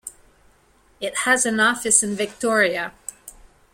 It has an office in Victoria.